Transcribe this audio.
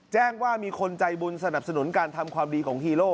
แจ้งว่ามีคนใจบุญสนับสนุนการทำความดีของฮีโร่